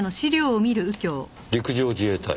陸上自衛隊。